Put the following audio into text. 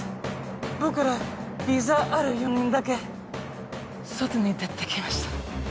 僕らビザある４人だけ外に出てきました